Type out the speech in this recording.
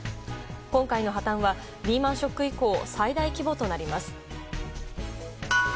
今回の破綻はリーマン・ショック以降最大規模となります。